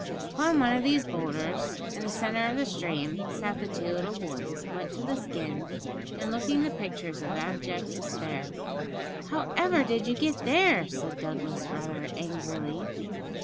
Upon one of these boulders, in the centre of the stream, sat the two little boys, wet to the skin, and looking the pictures of abject despair. 'However did you get there?' said Douglas rather angrily.